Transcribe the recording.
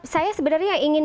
saya sebenarnya ingin